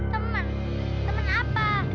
teman teman apa